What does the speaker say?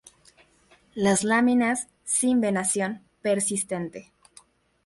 Las láminas sin venación; persistente.